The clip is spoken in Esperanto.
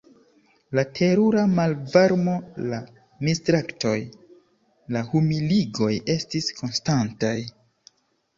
La terura malvarmo, la mistraktoj, la humiligoj estis konstantaj.